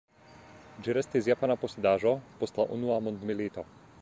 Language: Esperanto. Ĝi restis japana posedaĵo post la Unua Mondmilito.